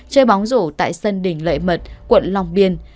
chơi bóng rổ tại sân đỉnh lợi mật quận lòng biên